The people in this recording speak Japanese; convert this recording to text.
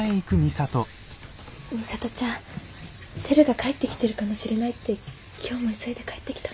美里ちゃん「テルが帰ってきてるかもしれない」って今日も急いで帰ってきたの。